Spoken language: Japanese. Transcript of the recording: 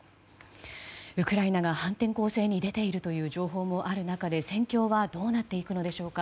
ウクライナが反転攻勢に出ているという情報もある中で戦況はどうなるんでしょうか。